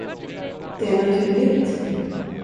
Det är naturligt.